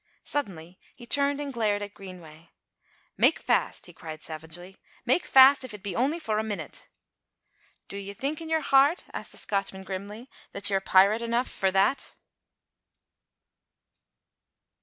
Suddenly he turned and glared at Greenway. "Make fast!" he cried savagely, "make fast! if it be only for a minute." "Do ye think in your heart," asked the Scotchman grimly, "that ye're pirate enough for that?"